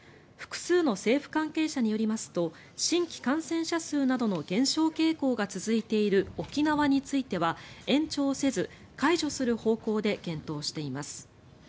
複数の政府関係者によりますと新規感染者数などの減少傾向が続いている沖縄については延長せず解除する方向で検討しています。